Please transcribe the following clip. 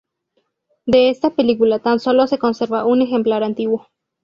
De esta película tan sólo se conserva un ejemplar antiguo.